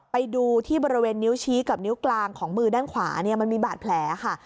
ไปดูที่บริเวณนิ้วชี้กับนิ้วกลางของมือด้านขวาเนี่ยมันมีบาดแผลค่ะ